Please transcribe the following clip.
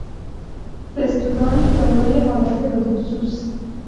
رستورانی دارای حالت بخصوص